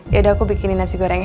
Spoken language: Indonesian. yaudah aku bikinin nasi goreng